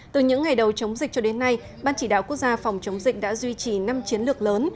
từ những ngày đầu chống dịch cho đến nay ban chỉ đạo quốc gia phòng chống dịch đã duy trì năm chiến lược lớn